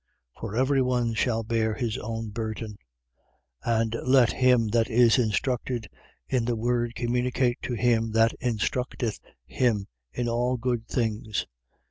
6:5. For every one shall bear his own burden. 6:6. And let him that is instructed in the word communicate to him that instructeth him, in all good things.